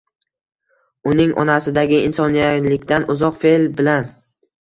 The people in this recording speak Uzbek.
Uning onasidagi insoniylikdan uzoq fe'l bilan